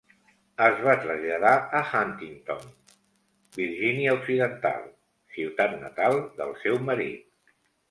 Es va traslladar a Huntington, Virgínia Occidental, ciutat natal del seu marit.